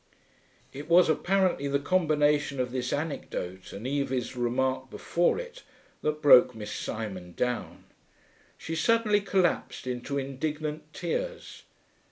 It was apparently the combination of this anecdote and Evie's remark before it that broke Miss Simon down. She suddenly collapsed into indignant tears.